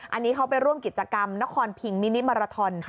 อันนี้เขาไปร่วมกิจกรรมนครพิงมินิมาราทอน